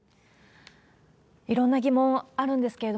いろんな疑問あるんですけど、